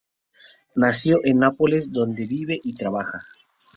Nació en Nápoles donde vive y trabaja.